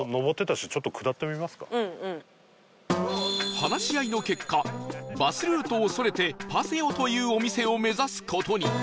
話し合いの結果バスルートをそれてパセオというお店を目指す事に